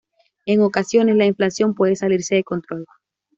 En ocasiones la inflación puede salirse de control.